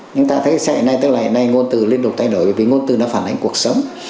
nhưng ta thấy sẽ hồi nay ngôn từ liên lục thay đổi vì ngôn từ đã phản ánh cuộc sống